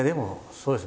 そうです。